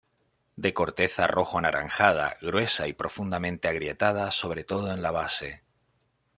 De corteza rojo anaranjada, gruesa y profundamente agrietada sobre todo en la base.